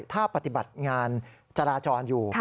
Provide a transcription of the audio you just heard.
ถ้าปฏิบัติงานจราจรอยู่